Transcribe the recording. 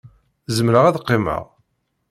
Zemreɣ ad qqimeɣ?